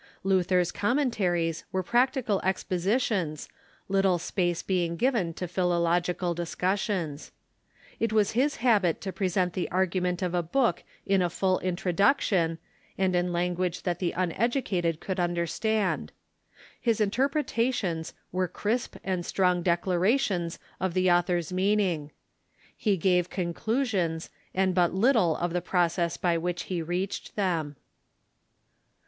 Luther's commentaries were practical expositions, little space being given to philological discussions. It was his habit to present the argument of a book in a full introduction, and in language that the uneducated could understand. His interpretations were crisp and strong declarations of the author's meaning. He gave conclusions, and but little of the process by which he reached them.